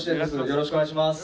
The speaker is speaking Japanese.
よろしくお願いします。